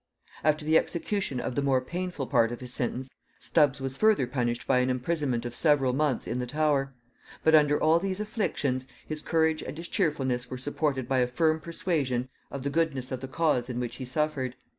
After the execution of the more painful part of his sentence, Stubbs was further punished by an imprisonment of several months in the Tower: but under all these inflictions, his courage and his cheerfulness were supported by a firm persuasion of the goodness of the cause in which he suffered.